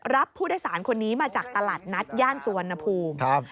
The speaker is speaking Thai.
รับผู้โดยสารคนนี้มาจากตลาดนัดย่านสุวรรณภูมิครับ